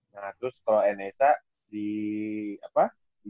nah terus kalo nsa di